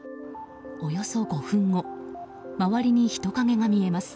およそ５分後周りに人影が見えます。